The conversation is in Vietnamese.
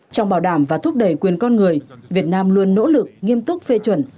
trong bảo đảm và thúc đẩy quyền con người việt nam luôn nỗ lực nghiêm túc phê chuẩn